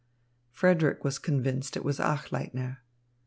Frederick was convinced it was Achleitner.